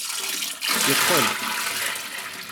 Yeqqel.